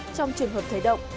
trong trường hợp thầy động